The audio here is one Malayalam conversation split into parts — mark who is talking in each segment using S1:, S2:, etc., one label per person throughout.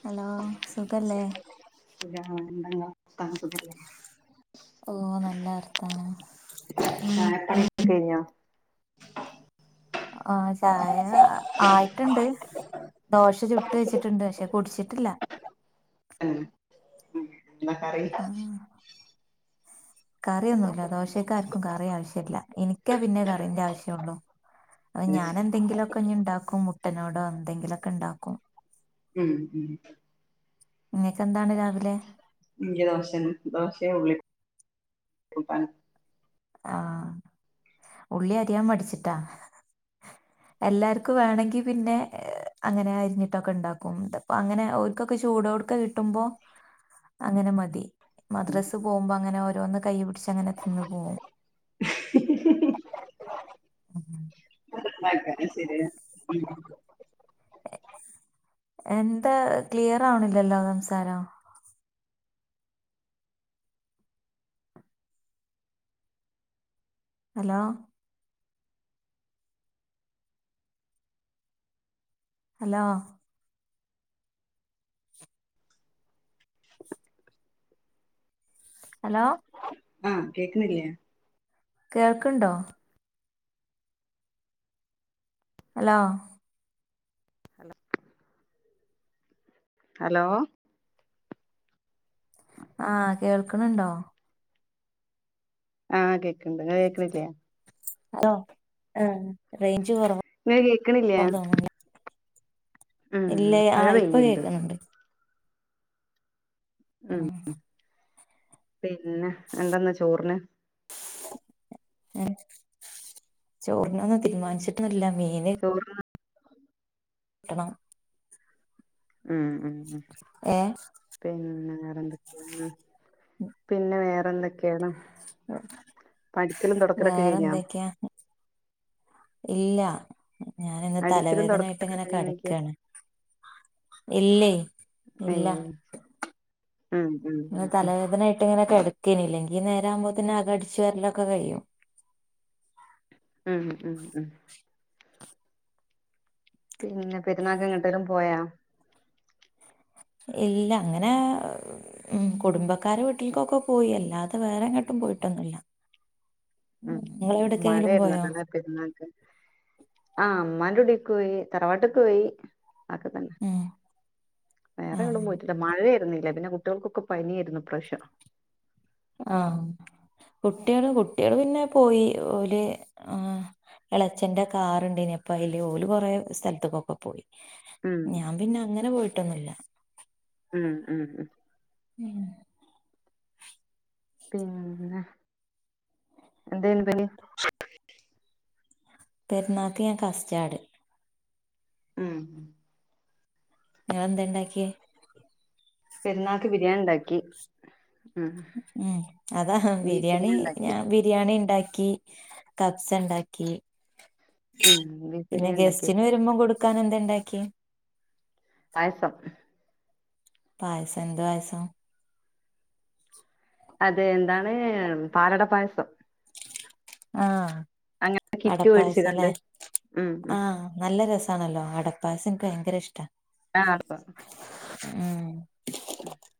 S1: ഹലോ സുഖല്ലേ
S2: [unintelligible]
S1: ഓ നല്ല വർത്താനം
S2: [unintelligible] [unintelligible]
S1: ആ ചായ ആയിട്ട്ണ്ട് ദോശ ചുട്ട് വെച്ചിട്ടുണ്ട് പക്ഷെ കുടിച്ചിട്ടില്ല
S2: ഉം ഉം എന്താ കറി
S1: കറിയൊന്നുല്ല ദോശേക്ക് ആർക്കും കറി ആവശ്യല്ല എനിക്കാ പിന്നെ കറീന്റെ ആവശ്യംള്ളൂ അത്
S2: ഉം
S1: ഞാനെന്തെങ്കിലൊക്കെ ഇനി ഇണ്ടാക്കും മുട്ടനോട് എന്തെങ്കിലൊക്കെ ഇണ്ടാക്കും
S2: ഉം ഉം
S1: [unintelligible] രാവിലെ
S2: ൻക്ക് ദോശന്നെ ദോശയും ഉള്ളി കൂട്ടാനും
S1: ആ ഉള്ളി അരിയാൻ മടിച്ചിട്ടാ എല്ലാർക്കും വേണെങ്കി പിന്നെ അങ്ങനെ അരിഞ്ഞിട്ടൊക്കെ ഉണ്ടാക്കും ഇതിപ്പോ അങ്ങനെ ഓർക്കൊക്കെ ചൂടോടക്കെ കിട്ടുമ്പോ അങ്ങനെ മതി
S2: ഉം
S1: മദ്രാസ് പോകുമ്പോ അങ്ങനെ ഒ ഒന്ന് കൈ പിടിച്ചു അങ്ങനെ ന്ന് പോകും [inaudible]
S2: ക്ക ശരി
S1: എന്താ ക്ലിയർ ആവണില്ലല്ലോ സംസാരം ഹലോ ഹലോ
S2: [inaudible]
S1: ഹലോ
S2: ആഹ കേക്കുന്നില്ലേ
S1: കേൾക്കണ്ടോ അലോ
S2: [inaudible] ഹലോ
S1: ആഹ കേൾക്കണണ്ടോ
S2: ആ അതെെ ണ്ട് നി കേൾക്കണില്ല
S1: [unintelligible] ആ റേഞ്ച് കുറവാ
S2: ഇങ്ങള് കേക്ക്ണില്ലേ?
S1: ന്ന് തോന്നുന്നു
S2: ഉം
S1: ഇല്ലേ ആ
S2: മഴ
S1: ഇപ്പൊ
S2: പെയ്യ്ണ്ട്
S1: കേക്ക്ണ് ണ്ട്
S2: ഉം ഉം പിന്നെ എന്തന്ന് ചോർന്
S1: എ ചോറിനൊന്നും തീരുമാനിച്ചിട്ടുല്ല മീന്
S2: ചോറിന്
S1: ട്ടണം
S2: ഉം ഉം
S1: ഏ
S2: ഉംപിന്നെ വേറെന്തെക്കേണ് പിന്നെ വേറെന്തൊക്കേണ് അടിക്കലും തൊടക്കലൊക്കെ
S1: വേറെ
S2: കയ്ഞ്ഞാ
S1: എന്തൊക്കെയാ ഇല്ല ഞാനിന്ന്
S2: അടിക്കലും
S1: തലവേദന ആയിട്ട്
S2: തൊടക്കലൊക്കെ
S1: ഇങ്ങനെ
S2: കഴിഞ്ഞോയ്ക്കാ
S1: കടക്കാണ് ഇല്ലേ ഇല്ല
S2: ഏഹ് ഉം ഉം
S1: ഞാ
S2: ഉം ഉം
S1: തലവേദനായിട്ട്ങ്ങനെ കെട നി ഇല്ലെങ്കി ഈ നേരാവുമ്പോത്ത്ന് അക അടിച്ചുവേരലൊക്കെ കയ്യും
S2: ഉം ഉം ഉം പിന്നെ പെരുന്നാക്ക് എങ്ങട്ടേലും പോയാ
S1: ഇല്ല അങ്ങനെ ഉം കുടുംബക്കാരെ വീട്ടിൽക്കൊക്കെ പോയി അല്ലാതെ വേറെങ്ങെട്ടും പോയിട്ടൊന്നുല്ല
S2: ഉം
S1: ഇങ്ങളെവിടക്കെങ്കിലും പോയോ
S2: മഴേയ്ര്ന്ന്ലേ പെര്ന്നാക്ക് ആ ഇമ്മാന്റുടി ക്ക് പോയി തറവാട്ട്ക്കാേയി അക്കെ തന്നെ
S1: ഉം ആഹ്
S2: വേറെങ്ങെടും പോയിട്ടില്ല മഴയാര്ന്നെ പിന്നെ കുട്ട്യോൾക്കൊക്കെ പനിയായ്ര്ന്നു ഇപ്രാശ്യം
S1: ആ കുട്ട്യേള് കുട്ട്യേള് പിന്നെ പോയി ഓല് ആ എളച്ചന്റെ കാറ്ണ്ടേനി അപ്പ അയ്ല് ഓല് കൊറേ സ്ഥൽത്ത്ക്കൊക്കെ പോയി
S2: ഉം
S1: ഞാൻ പിന്നെ അങ്ങനെ പോയി ട്ടൊന്നുല്ല
S2: ഉം ഉം ഉം
S1: ഉം
S2: പിന്നെ എന്താ എന്തേനുപണി
S1: പെര്ന്നാക്ക് ഞാൻ കസ്റ്റാട്
S2: ഉം
S1: നിങ്ങള്ന്തേണ്ടാക്കിയെ
S2: പെര്ന്നാക്ക് ബിരിയാണിണ്ടാക്കി
S1: ഉം അതാ ബിരിയാണി ഞാൻ ബിരിയാണിണ്ടാ ക്കി കബ്സ്ണ്ടാക്കി
S2: ഉം ബീഫ്
S1: പിന്നെ
S2: ബിരിയാണി ഇണ്ടാക്കി
S1: ഗസ്റ്റിന് വരുമ്പോം കൊടുക്കാനെ ത്തണ്ടാക്ക്യേ
S2: പായസം
S1: പായസം എന്ത് പായസം
S2: അതെ എന്താണ് പാലട പായസം
S1: ആഹ
S2: അങ്ങനെ കിറ്റ്
S1: അടപ്പായസ അല്ലേ
S2: മേടിച്ച്കാണ്ട് ഉം ഉം
S1: ആഹ നല്ല രസ ണല്ലോ അടപ്പാസ് എനിക്ക് ഭയങ്കര ഇഷ്ടം
S2: ആഹപ്പ
S1: ഉം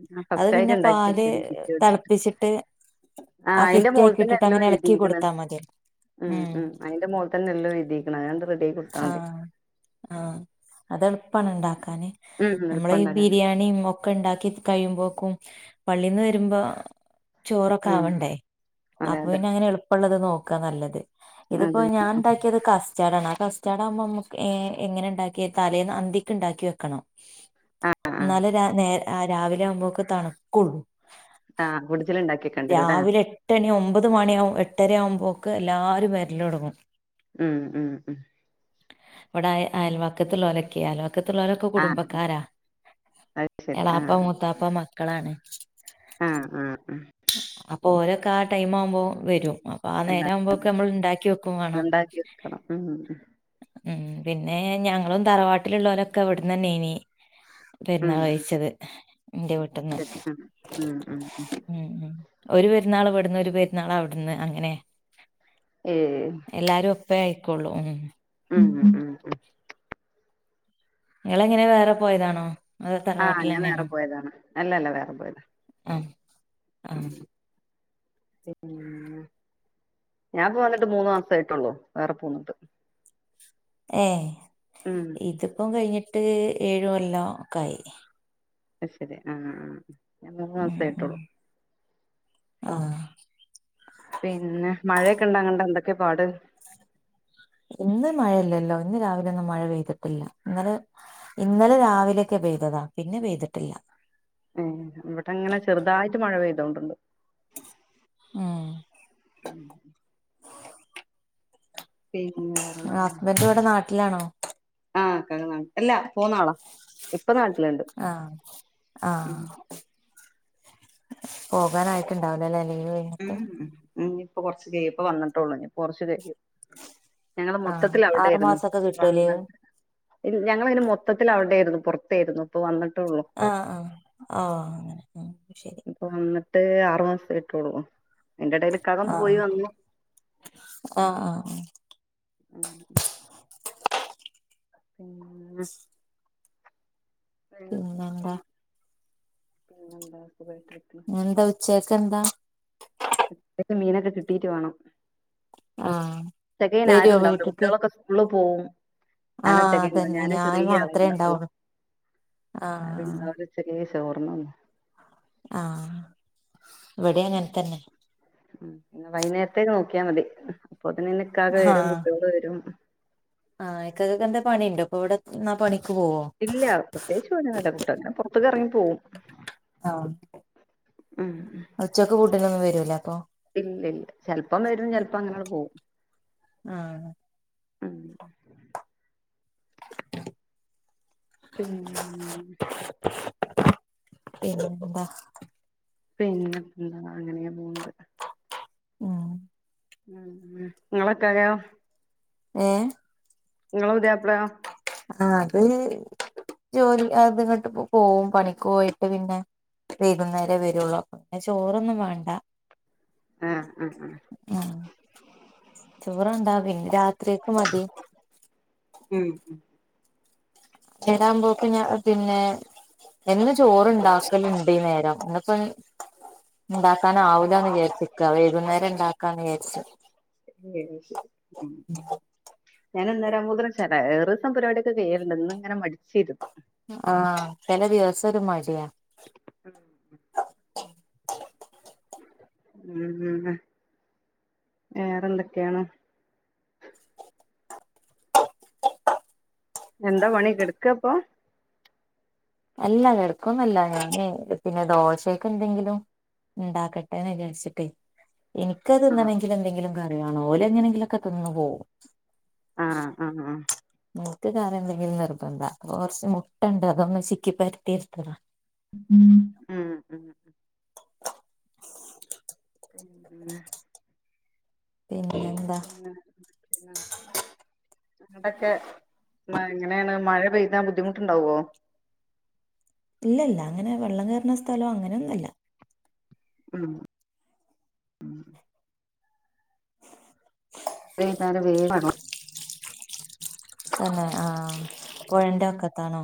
S2: ഉഹ ആ
S1: അത്
S2: ഫസ്റ്റ് ആായിട്ട്
S1: പിന്നെ
S2: ഉണ്ടാക്കി
S1: പാല്
S2: വെക്ക കിറ്റ്ടിച്ചിട്ട്
S1: തെളപ്പിച്ചിട്ട്
S2: ആ അയിന്റെ മോള തന്നെ
S1: കിറ്റായിക്കിട്ടിട്ട് അങ്ങനെ
S2: എല്ലാം
S1: എളക്കി
S2: എഴുതിക്ക
S1: കൊടുത്താ മതി
S2: ഉ
S1: ഉം
S2: ഉ അയിന്റെ മോള തന്നെ എല്ലാം എഴുക്കണം അ
S1: ആഹ ആഹ അത് എളുപ്പമാണ് ഉണ്ടാക്കാാന്
S2: ഉം
S1: നമ്മള ഈ
S2: എളുപ്പണ്ടാക്കാന്
S1: ബിരിയാണിയും ഒക്കെ ഒക്കെ ഉണ്ടാക്കി കഴിയുമ്പോക്കും പള്ളീന്ന് വരുമ്പോ ചോറൊക്കെ
S2: ഉം
S1: ആവണ്ടേ
S2: അതെ
S1: അപ്പൊ
S2: അതെ
S1: പിന്നെ അങ്ങനെ എളുപ്പമുള്ളള്ളത് നോക്കാ നല്ലത് ഇതിപ്പോ
S2: അതെ
S1: ഞാൻ ഇണ്ടാക്കിയത് കസ്റ്റാർഡ ആണ കസ്റ്റാർഡ്കുമ്പോ നമുക്ക് എങ്ങനെ ഉണ്ടാക്കി തലേന്ന് അന്തിക്ക ഉണ്ടാക്കി വെക്കണം
S2: ആ ആ
S1: എന്നാല നേ ആ രാവിലെ ആവുമ്പോൊക്കെണക്കുള്ളൂ
S2: ആഹ കുടുിച്ചൽ ഉണ്ടാക്കി കണ്ടിരൂല്ലേ
S1: മുപ്പത് മണിയാവ്പോ എട്ടരയാകുമ്പോൾക്ക് എല്ലാരും വേരില തുടങ്ങും
S2: ഉം ഉം ഉം
S1: ഇവിടെ അയൽവാക്കത്തി ലക്കെ അയൽ പക്കത്തുള്ളവരൊക്കെ
S2: ആ
S1: കുടുംബക്കാരാ
S2: അത്
S1: എളാപ്പ മൂത്താപ്പ മ മക്കളാണ്
S2: ആഹ അ അ
S1: അപ്പൊ ഓരൊക്കെ ആ ടൈം ആവുമ്പോൾ വരും അപ്പ ആ നേര
S2: എല്ലാതും
S1: ആവുമ്പോൊക്കെ നമ്മൾ ഇണ്ടാക്കി വെക്കും വേണംോ
S2: ഉണ്ടാക്കി വെക്കണം ഉം
S1: ഉ പിന്നെ ഞങ്ങളും തറവാട്ടിലുള്ളവരൊക്കെ എവിടന്ന് തന്നെ ഇനി പുന്നാ
S2: ഉം
S1: കഴിച്ചത് എന്റെ വീട്ടന്ന്
S2: ഉം ഉം ഉം ഉം.
S1: ഉ ഉ ഒരു പെരുന്നാൾ ഇവിടന്ന് ഒരു പെരുന്നാൾ അവിടന്ന് അങ്ങനെ
S2: ഏ
S1: ഉപ്പ ആായിക്കൊള്ളും
S2: ഉം ഉ ഉം ഉ
S1: നിങ്ങള എങ്ങനെ വേറെ പോയതാണോ അതോ
S2: ആഹ ഞാൻ വേറെ
S1: തറവാട്ടിലെന്നെയാണോ
S2: പോയതാണ് അല്ലല്ല വേറെ പോയത്
S1: ആഹ
S2: പി ഞാൻ പോന്നിട്ട് മൂന്ന മാസായിട്ടള്ളൂ വേറെ പോന്നിട്ട്
S1: ഏ
S2: ഉം
S1: ഇതിപ്പം കഴിഞ്ഞിട്ട് എട്ട് ഏഴു വല്ലാം ഒക്കയി
S2: അ ശരി ആഹ് ആ ഞാ മൂന്ന്
S1: ഉം ഉം
S2: മാസായിട്ടോുള്ളു
S1: ആഹ്
S2: പിന്നെ മഴയൊക്കെ ഇണ്ടാ അങ്ങണ്ട എന്തൊക്കെ പാട്
S1: ഇന്ന് മഴയില്ലല്ലോ ഇന്ന് രാവിലെ ഒന്നും ഇന്ന് മഴ ഇല്ലല്ലോ ഇന്ന് രാവിലെ പെയ്തിട്ടില്ലല്ലോ ഇന്നലെ ഇന്നലെ രാവിലെയൊക്കെ പെയ്തതാ പിന്നെ പെയ്തിട്ടില്ല
S2: അവിടെ അങ്ങനെ ചെറുതായിട്ട് മഴ പെയ്ത് ണ്ട്
S1: ആഹ
S2: ഉം പിന്നെ വേറെ എന്താ
S1: ഇല്ലാണോ
S2: ആ അല്ല പോന്നാളാ ഇപ്പ നാട്ടിലുണ്ട്
S1: ആഹ്
S2: ഉ
S1: ആഹ് പോകാനായിയിട്ട്ണ്ടാവലല്ലേ ലീവ് കഴിഞ്ഞിട്ട്
S2: ഇപ്പ കൊറച്ച് കയയിപ്പ വന്നിട്ടുള്ളൂ കുറച്ച് കയ്യ് ഞങ്ങ
S1: ആഹ്
S2: മൊത്തത്തിൽ
S1: ആറു
S2: അവിടൊയിരുന്നു
S1: മാസൊക്കെ കിട്ടുവോ
S2: വന്ന
S1: ലീവ്
S2: ഞങ്ങൾ ഇങ്ങ നെ മൊത്തത്തിൽ അവിടൊയിരുന്നു പുറത്തായിരുന്നു ഇപ്പ വന്നട്ട്
S1: ആഹ ആഹ ആഹ അങ്ങനെ ശരി
S2: ഇപ്പൊ വന്ന് ട്ട് ആറ്മാസം ആയിട്ടൊള്ളു അയിന്റെ എടേൽ ഇക്കാക്ക ഒന്ന് പോയി
S1: ആഹ്
S2: വന്നു
S1: ആഹ് ആഹ്
S2: [unintelligible] പിന്നെ
S1: പിന്നെന്താ
S2: വേറെന്തൊക്കെയാണ് പിന്നെന്താ ട്ടിരിക്ക
S1: ക്കെന്താ
S2: ഉച്ചക്ക് മീനൊക്കെ കിട്ടീട്ട് വേണം
S1: ആഹ്
S2: ഉച്ചക്കയിൻ
S1: വരുവോ
S2: ആരുണ്ടാവൂല
S1: വീട്ട്ക്ക്
S2: കുട്ടികളൊക്കെ സ്കൂളിൽ പോവും ഞാൻ
S1: ആഹ്
S2: ഒറ്റക്കാണ്
S1: അതന്നെ
S2: ഞൻ
S1: ഞാൻ
S2: ചെറിയ
S1: മാത്രേ
S2: ആളുണ്ടാവൊള്ളൂ
S1: ഉണ്ടാവുള്ളൂ ആഹ്
S2: ആരുണ്ടാവൂല ഉച്ചക്ക് ചോർൻ വന്നു
S1: ആഹ
S2: പിന്നെ വൈകുന്നേരത്തേ നോക്ക ക്കിയാ മതി അപ്പോത്തിനേക്ക് ഇക്കാക്ക വരും കുട്ടികൾ വരും
S1: ആ ഇക്കാക്കക്ക് എന്താ പണിയുണ്ടോപ്പൊ ഇവിടെ നാ പണിക്ക
S2: ഇല്ല പ്രതേകിച്ച് പണിയൊന്നുല്ല [unintelligible] പുറത്തു ഇറങ്ങിട്ട് പോവും
S1: ആ
S2: ഉം
S1: ഉച്ചക്ക് ഫുഡിന് ഒന്നും വേരോ
S2: ഇല്ല ഇല്ല ചിലപ്പം വരും ചിലപ്പോ അങ്ങനെ പോകും
S1: ആഹ
S2: ഉം പിന്നെ
S1: പിന്നെ എന്താ
S2: പിന്നെന്താ അങ്ങനെയ പോകണ്ട്
S1: ഉം
S2: നിങ്ങളൊക്ക [unintelligible]
S1: ഏ
S2: നിങ്ങള പുയാ പ്ല യൊ
S1: ആ അത് ജോലി അതിങ്ങട്ട് പോവും പണിക്ക് പോയിട്ട് പിന്നെ വൈകുന്നേരേ വരുള്ളു പിന്നെ ചോറൊന്നും വേണ്ട
S2: ആ ആ ആ
S1: ചോറ് വേണ്ട രാത്രിയേക്ക് മതി
S2: ഉം ഉം
S1: ചേടാൻ പോക്ക് ഞാ പിന്നെ എന്നും ചോറുണ്ടാക്കല്ണ്ട് ഇനേരം ന്ന്പ്പം ന്ന്ണ്ടാക്കാനാവുലാന്ന് വിചാര്ച്ച്ക്ക വൈകുന്നേരംണ്ടാക്കാന്ന് വിചാരിച്ചു
S2: ഞാന് ഇന്നേരാവൂമ്പക്ന് ചെല ഏറുംസം പരിപാടിക്കെ കയ്യല്ണ്ട് ഇന്ന്ങ്ങനെ മടിച്ചിരുന്നു
S1: ആ ചെലെ ദിവസൊരുമടിയാ
S2: ഉം വേറെന്തൊക്കെയാണ് എന്താ പണി കെട്ക്കാപ്പൊ
S1: അല്ല കെടക്കൊന്നല്ല ഞാഞേ പിന്നെ ദോശക്കെന്തെങ്കിലും ഉണ്ടാക്കട്ടേന്ന് വിചാര്ച്ചിട്ടൈ
S2: ആഹ്
S1: എനിക്കത്ങ്ങനെങ്കിലുംന്തെങ്കിലും കറിവാണംഓലെങ്ങനെങ്കിലൊക്കെതിന്ന് പോകും
S2: ആ ആ
S1: ഇന്ക്ക് കറിന്തങ്കിലു നിർബന്ധ കൊറച്ച് മുട്ടണ്ട് അതൊന്ന്ചിക് ക്കി പരത്തിർത്തത
S2: ഉം മ് മ് പിന്നെ
S1: പിന്നെന്താ
S2: പിന്നെ [unintelligible] എന്തൊക്കെ മയ് എങ്ങനേണ് മഴ പെയ്താ ബുദ്ധിമുട്ടുണ്ടാവോ
S1: ഇല്ലല്ല അങ്ങനെ വെള്ളംകേറ്ണ സ്ഥലോ അങ്ങനൊന്നല്ല.
S2: ഉം ഉം വൈന്നാരം [unintelligible]
S1: തന്നെ ആ പൊഴന്റെക്കത്താണോ?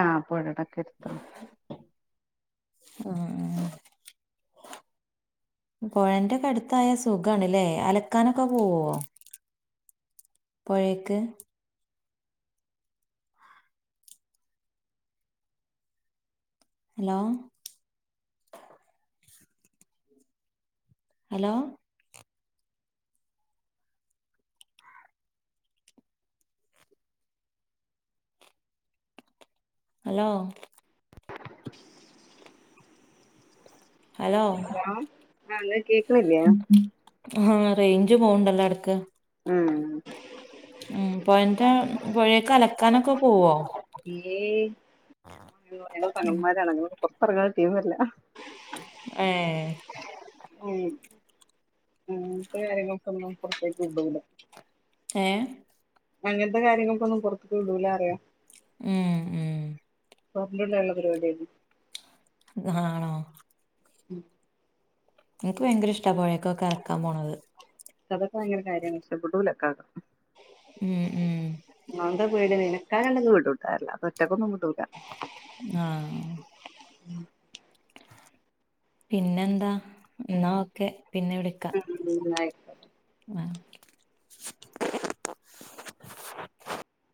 S2: ആ പൊഴടെ കെരുത്താണ്
S1: ആ ആ പൊഴന്റെക്കെ അടുത്തായ സുഖാണ്ലേ അലക്കാനൊക്കെ പോവോ പൊഴേക്ക് hello hello hello hello
S2: hello ആ ഇങ്ങക്കേക്ക്ണില്ലേ
S1: റൈഞ്ച് പോവ്ണ്ടല്ലോ എടക്ക്
S2: ഉം
S1: ഉം പൊയന്റെ പുഴേക്ക് അലക്കാനൊക്കെ പോവോ
S2: ഏ [unintelligible] ഞങ്ങള് തങ്ങന്മാരാണ് ഞങ്ങള് പൊറ് പറഞ്ഞാൽ തീ വര്ല
S1: ഏ
S2: ഉം ആ [unintelligible] പെണ്ണ്ങ്ങളെ പൊറത്തേക്ക് വിടൂല
S1: ഏ
S2: അങ്ങനത്തെ കാര്യങ്ങൊക്കൊന്നും പുറത്ത് വിടൂല അറിയാ
S1: ഉം ഉം
S2: [unintelligible] ണ്ടുള്ള പരിപാടിയാരുന്നു
S1: ആണോ
S2: ഉം
S1: എനിക്ക് ഭയങ്കര ഇഷ്ടാ പൊഴേക്കൊക്കെ അലക്കാം പോണത്
S2: അതൊക്കെ ഭയങ്കര കാര്യാണ് ഇഷ്ടപ്പെടൂല ക്കാക്ക്
S1: ഉം ഉം
S2: സ്വന്തം വീട് നിനക്കാനണെങ്കി വീടൂട്ടോ അല്ലാതെ ഒറ്റക്കൊന്നും വ്ടൂല
S1: ആ
S2: ഉം
S1: പിന്നെ എന്താ ന്നാ ഓക്കെ പിന്നെ വിളിക്ക
S2: ഉം ആയി.
S1: ആ